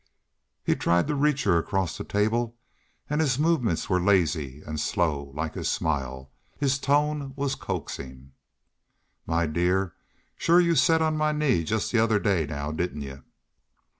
He tried to reach her across the table, and his movements were lazy and slow, like his smile. His tone was coaxing. "Mah dear, shore you set on my knee just the other day, now, didn't you?"